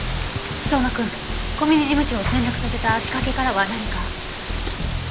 相馬くん小嶺事務長を転落させた仕掛けからは何か？